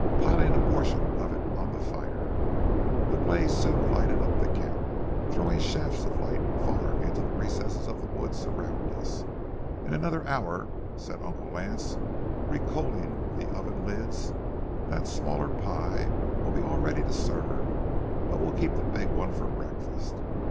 Piling a portion of it on the fire, the blaze soon lighted up the camp, throwing shafts of light far into the recesses of the woods around us. "In another hour," said Uncle Lance, recoaling the oven lids, "that smaller pie will be all ready to serve, but we'll keep the big one for breakfast.